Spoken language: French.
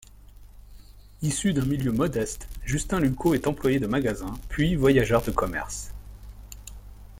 Issu d'un milieu modeste, Justin Luquot est employé de magasin, puis voyageur de commerce.